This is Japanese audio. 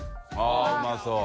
舛うまそう。